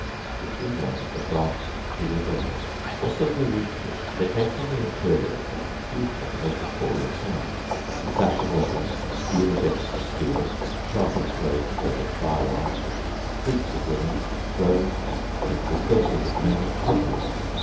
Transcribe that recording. The three men advanced to the door. Just as they reached it there came from the interior a confusion of the most appalling sounds—the clash of weapons, steel against steel, sharp explosions as of firearms, shrieks of women, groans and the curses of men in combat!